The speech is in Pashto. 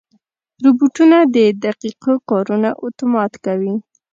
روبوټونه د دقیقو کارونو اتومات کوي.